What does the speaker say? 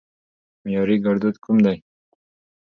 معياري ګړدود کوم دي؟